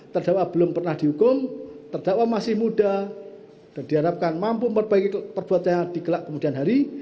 terdakwa belum pernah dihukum terdakwa masih muda dan diharapkan mampu memperbaiki perbuatan yang digelak kemudian hari